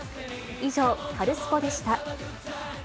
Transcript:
以上、カルスポっ！でした。